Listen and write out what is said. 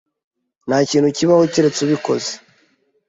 Ntakintu kibaho keretse ubikoze.